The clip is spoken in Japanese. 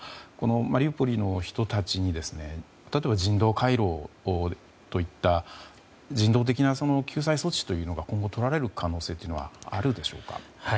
マリウポリの人たちに例えば人道回廊といった人道的な救済措置が今後、とられる可能性はあるでしょうか。